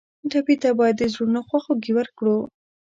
ټپي ته باید د زړونو خواخوږي ورکړو.